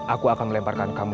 aku akan melemparkan kamu